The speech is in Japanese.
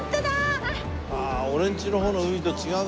ああ俺んちの方の海と違うわ。